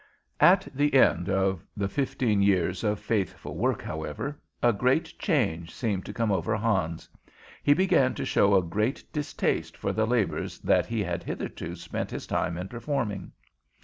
At the end of the fifteen years of faithful work, however, a great change seemed to come over Hans. He began to show a great distaste for the labors that he had hitherto spent his time in performing.